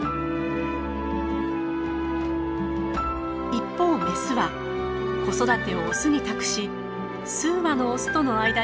一方メスは子育てをオスに託し数羽のオスとの間に卵を産みます。